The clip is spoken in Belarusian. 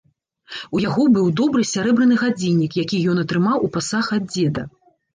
У яго быў добры сярэбраны гадзіннік, які ён атрымаў у пасаг ад дзеда.